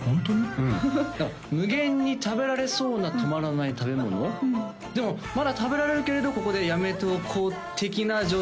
うん無限に食べられそうな止まらない食べ物でもまだ食べられるけれどここでやめておこう的な状態